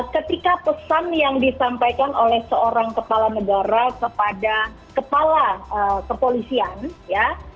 ketika pesan yang disampaikan oleh seorang kepala negara kepada kepala kepolisian ya